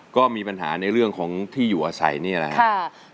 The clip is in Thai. ก็มีปัญหาในเรื่องของที่อยู่อาศัยนี่แหละครับ